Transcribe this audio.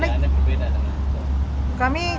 dia ada yang berbeda dengan kita